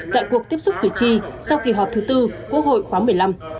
tại cuộc tiếp xúc cử tri sau kỳ họp thứ bốn quốc hội khóa một mươi năm